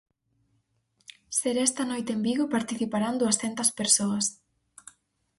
Será esta noite en Vigo e participarán duascentas persoas.